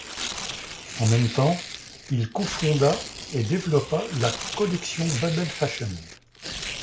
En même temps, il cofonda et développa la collection Babel Fashion.